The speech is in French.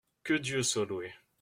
Que Dieu soit loué !